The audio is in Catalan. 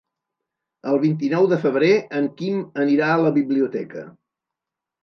El vint-i-nou de febrer en Quim anirà a la biblioteca.